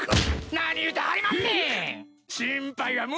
何言うてはりまんねん！